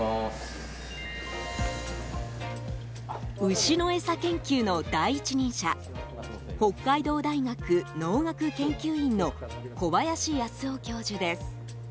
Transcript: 牛の餌研究の第一人者北海道大学農学研究院の小林泰男教授です。